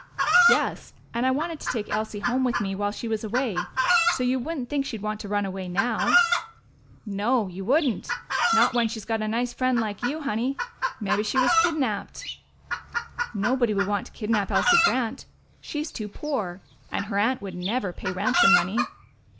"Yes, and I wanted to take Elsie home with me while she was away. So you wouldn't think she'd want to run away now." "No, you wouldn't. Not when she's got a nice friend like you, Honey. Mebbe she was kidnaped." "Nobody would want to kidnap Elsie Grant. She's too poor and her aunt would never pay ransom money."